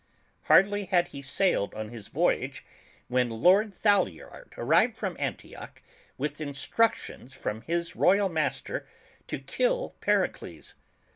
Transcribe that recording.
Hardly had he sailed on his voyage, when Lord Thaliard arrived from Antioch with instructions from his royal master to kill Per icles.